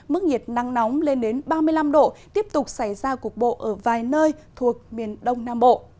mức nhiệt nắng nóng lên đến ba mươi năm độ tiếp tục xảy ra cục bộ ở vài nơi thuộc miền đông nam bộ